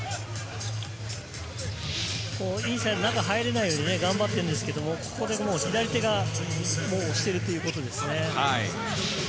中に入れないように頑張ってるんですけれども、左手がもう押しているということですね。